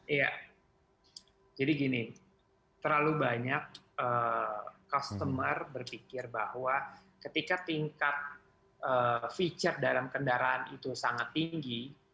iya jadi gini terlalu banyak customer berpikir bahwa ketika tingkat feature dalam kendaraan itu sangat tinggi